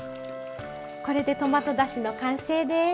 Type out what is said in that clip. これでトマトだしの完成です。